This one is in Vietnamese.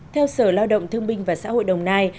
theo sở lao động thương binh và xã hội đồng nai